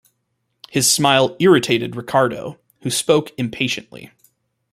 His smile irritated Ricardo, who spoke impatiently.